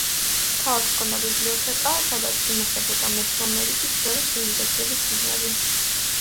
ქალაქს ჰქონდა ბიბლიოთეკა, სადაც ინახებოდა მესოამერიკის ძველი ცივილიზაციების წიგნები.